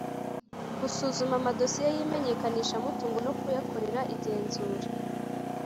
Gusuzuma amadosiye y imenyekanishamutungo no kuyakorera igenzura